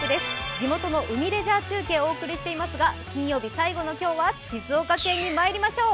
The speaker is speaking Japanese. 地元の海レジャー中継をお送りしていますが金曜日最後の今日は静岡県にまいりましょう。